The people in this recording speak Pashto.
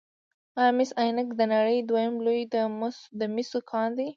آیا مس عینک د نړۍ دویم لوی د مسو کان دی؟